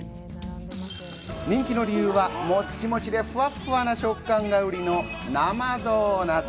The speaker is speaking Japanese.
人気の理由はもっちもちでふわっふわな食感が売りの生ドーナツ。